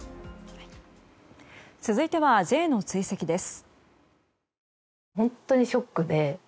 続いてはＪの追跡です。